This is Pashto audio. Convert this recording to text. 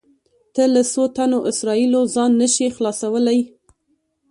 ته له څو تنو اسرایلو ځان نه شې خلاصولی.